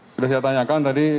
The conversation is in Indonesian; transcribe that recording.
sudah saya tanyakan tadi